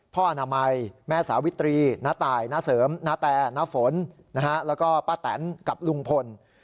อนามัยแม่สาวิตรีน้าตายณเสริมณแต่น้าฝนแล้วก็ป้าแตนกับลุงพล